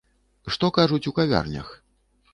Што кажуць у кавярнях?